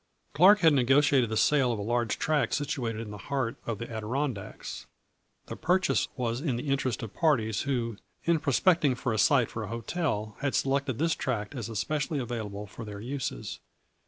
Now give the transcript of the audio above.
" Clark had negotiated the sale of a large tract situated in the heart of the Adirondacks. The purchase was in the interest of parties who, in prospecting for a site for a hotel, had selected this tract as especially available for their uses.